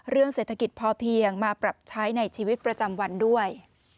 เรื่องเศรษฐกิจพอเพียงมาปรับใช้ในชีวิตประจำวันด้วย